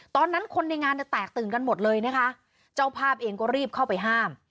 ตอนนั้นคนในงานเนี่ยแตกตื่นกันหมดเลยนะคะเจ้าภาพเองก็รีบเข้าไปห้าม